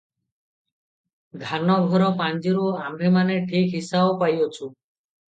ଧାନଘର ପାଞ୍ଜିରୁ ଆମ୍ଭେମାନେ ଠିକ୍ ହିସାବ ପାଇଅଛୁ ।